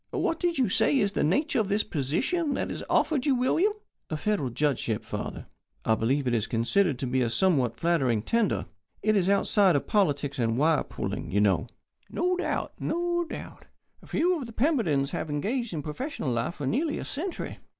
What did you say is the nature of this position that is offered you, William?" "A Federal Judgeship, father. I believe it is considered to be a somewhat flattering tender. It is outside of politics and wire pulling, you know." "No doubt, no doubt. Few of the Pembertons have engaged in professional life for nearly a century.